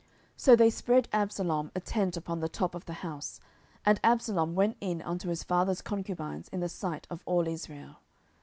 10:016:022 So they spread Absalom a tent upon the top of the house; and Absalom went in unto his father's concubines in the sight of all Israel.